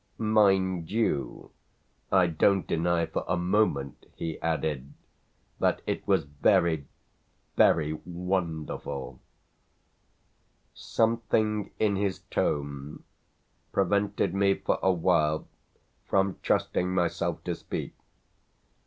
Mind you, I don't deny for a moment," he added, "that it was very, very wonderful!" Something in his tone prevented me for a while from trusting myself to speak.